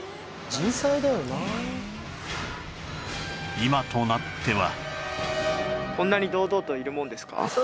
今となっては